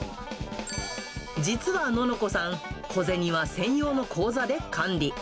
実はののこさん、小銭は専用の口座で管理。